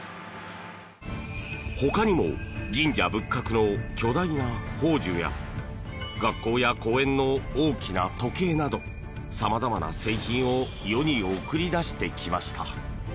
ほかにも神社仏閣の巨大な宝珠や学校や公園の大きな時計など様々な製品を世に送り出してきました。